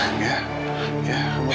ya kamu tenang